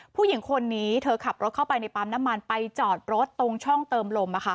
ผู้หญิงคนนี้เธอขับรถเข้าไปในปั๊มน้ำมันไปจอดรถตรงช่องเติมลม